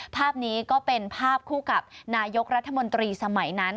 ภาพนี้ก็เป็นภาพคู่กับนายกรัฐมนตรีสมัยนั้น